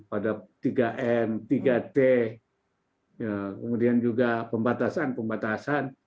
ada tiga m tiga t kemudian juga pembatasan pembatasan